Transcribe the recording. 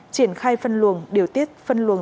triển khai phân luồng điều tiết phân luồng